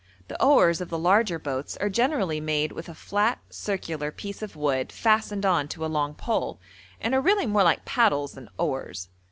The oars of the larger boats are generally made with a flat circular piece of wood fastened on to a long pole, and are really more like paddles than oars.